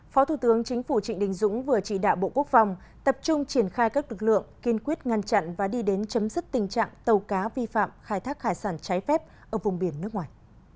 phó thủ tướng chính phủ trịnh đình dũng vừa chỉ đạo bộ quốc phòng tập trung triển khai các lực lượng kiên quyết ngăn chặn và đi đến chấm dứt tình trạng tàu cá vi phạm khai thác hải sản trái phép ở vùng biển nước ngoài